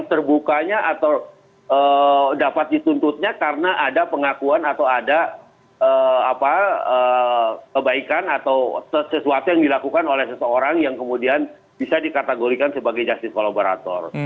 terbukanya atau dapat dituntutnya karena ada pengakuan atau ada kebaikan atau sesuatu yang dilakukan oleh seseorang yang kemudian bisa dikategorikan sebagai justice collaborator